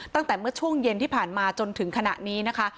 ตั้งแต่เมื่อช่วงเย็นที่ผ่านมาจนถึงขณะนี้นะคะ